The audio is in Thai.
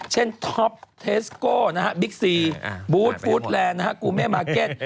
ท็อปเทสโก้บิ๊กซีบูธฟู้ดแลนด์กูเม่มาร์เก็ต